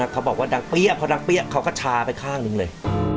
เขาบอกว่าดังเปี้ยพอดังเปี้ยเขาก็ชาไปข้างหนึ่งเลย